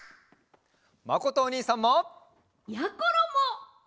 まことおにいさんも！やころも！